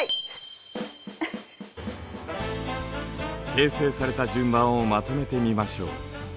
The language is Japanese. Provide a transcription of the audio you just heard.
形成された順番をまとめてみましょう。